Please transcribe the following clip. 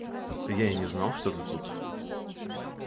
Я и не знал, что ты тут.